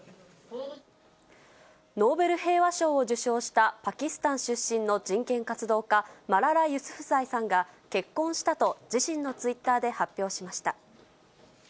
ノーベル平和賞を受賞したパキスタン出身の人権活動家、マララ・ユスフザイさんが結婚したと、自身のツイッターで発表しました。